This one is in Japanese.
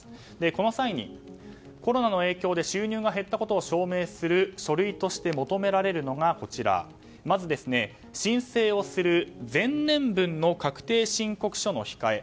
この際に、コロナの影響で収入が減ったことを証明する書類として求められるのがまず、申請をする前年分の確定申告書の控え